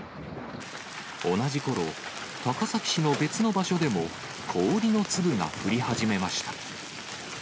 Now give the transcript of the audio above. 同じころ、高崎市の別の場所でも氷の粒が降り始めました。